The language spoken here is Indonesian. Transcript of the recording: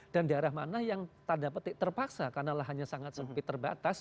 daerah mana yang tanda petik terpaksa karena lahannya sangat sempit terbatas